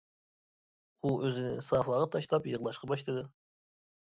ئۇ ئۆزىنى سافاغا تاشلاپ يىغلاشقا باشلىدى.